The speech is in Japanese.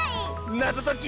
なぞとき。